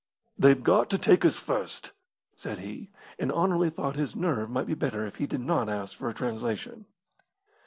"They've got to take us first," said he, and Anerley thought his nerve might be better if he did not ask for a translation.